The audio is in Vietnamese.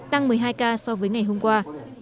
tăng một mươi hai ca so với ngày hôm qua